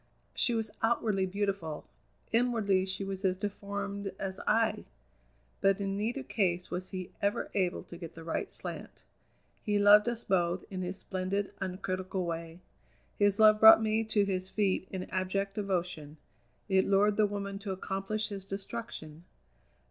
"She was outwardly beautiful; inwardly she was as deformed as I! But in neither case was he ever able to get the right slant. He loved us both in his splendid, uncritical way. His love brought me to his feet in abject devotion: it lured the woman to accomplish his destruction.